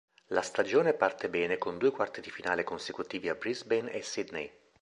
La stagione parte bene con due quarti di finale consecutivi a Brisbane e Sydney.